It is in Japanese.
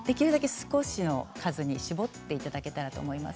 少しの数に絞っていただければと思います。